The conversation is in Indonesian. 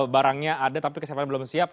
barangnya ada tapi kesehatan belum siap